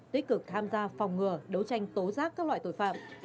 tích cực tham gia phòng ngừa đấu tranh tố giác các loại tội phạm